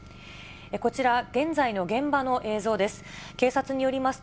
こちら、現在の現場の映像です。